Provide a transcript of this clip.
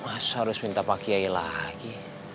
masa harus minta pake lagi